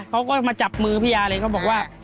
เขาก็มาจับมือพี่อาเลยเขาบอกว่า